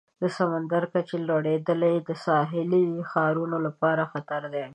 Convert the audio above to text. د سمندر د کچې لوړیدل د ساحلي ښارونو لپاره خطر دی.